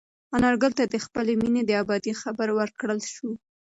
انارګل ته د خپلې مېنې د ابادۍ خبر ورکړل شو.